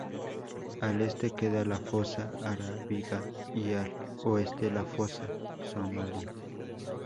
Al este queda la fosa Arábiga y al oeste la fosa Somalí.